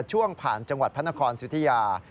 ช่วงผ่านจังหวัดพระนครสุธิยา